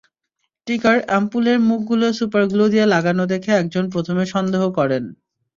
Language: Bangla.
টিকার অ্যাম্পুলের মুখগুলো সুপার গ্লু দিয়ে লাগানো দেখে একজন প্রথমে সন্দেহ করেন।